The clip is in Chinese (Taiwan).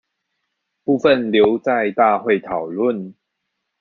部分留在大會討論